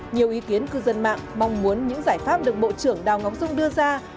nhiều ý kiến cư dân mạng mong muốn những giải pháp được bộ trưởng đào ngọc dung đưa ra